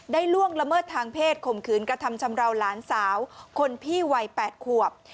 ล่วงละเมิดทางเพศข่มขืนกระทำชำราวหลานสาวคนพี่วัย๘ขวบ